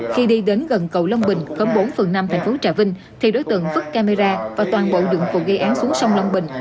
khi đi đến gần cầu long bình khấm bốn phần năm tp trà vinh thì đối tượng vứt camera và toàn bộ đường cụ gây án xuống sông long bình